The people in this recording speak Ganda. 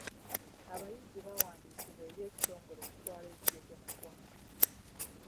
Abayizi baawandiisibwa eri ekitongole ekitwala ebigezo mu ggwanga.